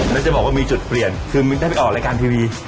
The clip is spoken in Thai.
แล้วจะบอกว่ามีจุดเปลี่ยนคือได้ไปออกรายการทีวี